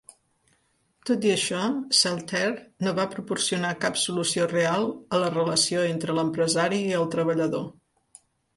Tot i això, Saltaire no va proporcionar cap solució real a la relació entre l'empresari i el treballador.